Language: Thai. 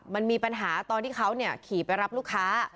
มันมีปัญหาตอนที่เขาขี่ไปรับลูกค้า